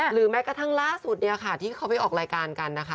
หรือแม้กระทั่งล่าสุดที่เขาไปออกรายการกันนะคะ